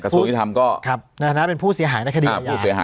กระทรวงยุทธรรมก็นาธนาเป็นผู้เสียหายในคดีอายา